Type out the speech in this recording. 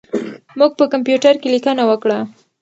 موږ په کمپیوټر کې لیکنه وکړه.